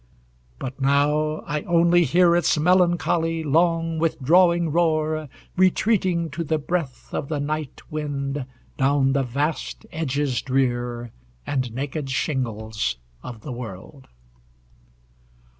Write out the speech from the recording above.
But now I only hear Its melancholy, long, withdrawing roar, Retreating, to the breath Of the night wind, down the vast edges drear And naked shingles of the world.